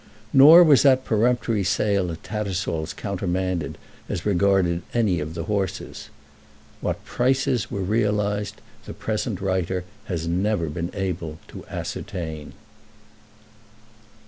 Nor was that peremptory sale at Tattersall's countermanded as regarded any of the horses. What prices were realised the present writer has never been able to ascertain.